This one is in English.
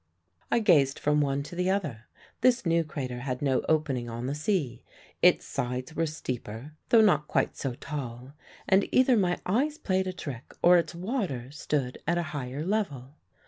I gazed from one to the other. This new crater had no opening on the sea; its sides were steeper, though not quite so tall; and either my eyes played me a trick or its water stood at a higher level.